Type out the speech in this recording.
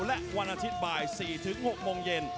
และวันอาทิตย์บ่าย๔๖โมงเย็น